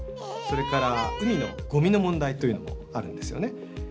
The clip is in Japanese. それから海のゴミの問題というのもあるんですよね。